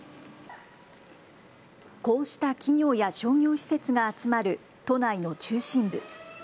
こうした企業や商業施設が集まる都内の中心部。